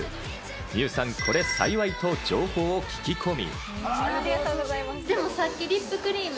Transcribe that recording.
望結さん、これ幸いと情報を聞き込み。